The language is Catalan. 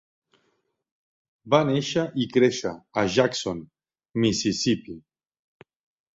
Va néixer i créixer a Jackson, Mississippi.